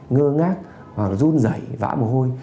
ngơ ngác run dẩy vã mồ hôi